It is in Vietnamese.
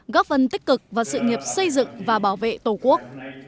góp phần tích cực vào sự nghiệp xây dựng và bảo vệ tổ quốc